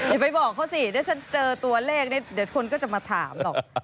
อย่าไปบอกเขาสิถ้าเจอตัวแรกนี้เดี๋ยวทุกคนก็จะมาถามหรอก